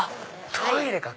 トイレか！